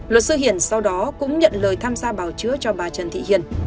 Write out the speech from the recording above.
luật sư hiền sau đó cũng nhận lời tham gia bảo chứa cho bà trần thị hiền